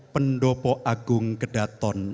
pendopo agung kedaton